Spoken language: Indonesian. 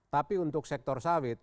tapi untuk sektor sawit